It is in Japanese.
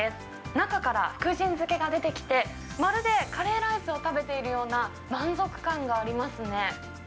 中から福神漬けが出てきて、まるでカレーライスを食べているような満足感がありますね。